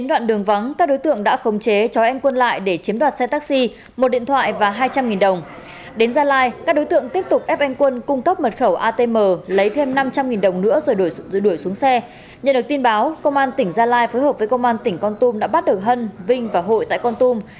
nhận được tin báo công an tỉnh gia lai phối hợp với công an tỉnh con tum đã bắt được hân vinh và hội tại con tum